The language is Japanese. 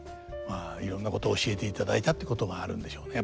いろんなこと教えていただいたってことがあるんでしょうね。